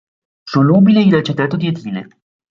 Solubile in acetato di etile.